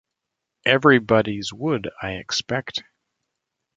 Everybody's would, I expect.